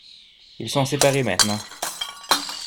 Ils sont séparés maintenant.